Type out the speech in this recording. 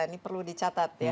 ini perlu dicatat ya